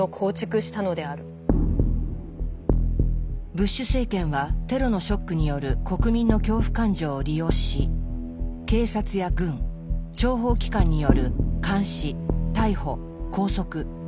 ブッシュ政権はテロのショックによる国民の恐怖感情を利用し警察や軍諜報機関による監視逮捕拘束尋問の権限を強化しました。